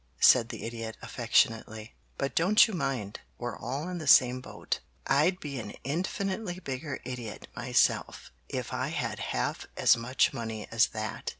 said the Idiot affectionately. "But don't you mind. We're all in the same boat. I'd be an infinitely bigger idiot myself if I had half as much money as that."